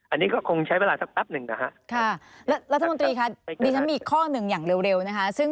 อันนี้ก็คงใช้เวลาสักแป๊ปนึง